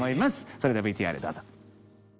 それではＶＴＲどうぞ。